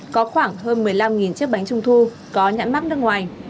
có khoảng hơn một mươi năm chiếc bánh trung thu có nhãn mắc nước ngoài